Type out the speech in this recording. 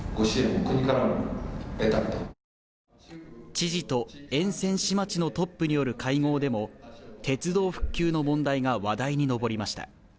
知事と沿線市町のトップによる会合でも鉄道復旧の問題が話題に上りました。